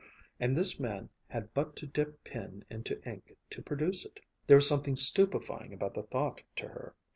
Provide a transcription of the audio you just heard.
And this man had but to dip pen into ink to produce it. There was something stupefying about the thought to her.